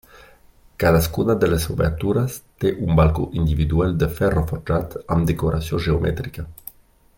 Cadascuna de les obertures, té un balcó individual de ferro forjat amb decoració geomètrica.